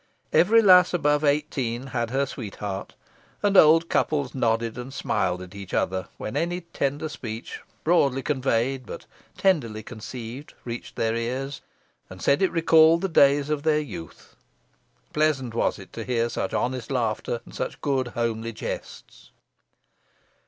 Every lass above eighteen had her sweetheart, and old couples nodded and smiled at each other when any tender speech, broadly conveyed but tenderly conceived, reached their ears, and said it recalled the days of their youth. Pleasant was it to hear such honest laughter, and such good homely jests.